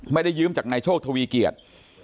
ไม่ได้ยืมจากนายโชคทวีเกียจ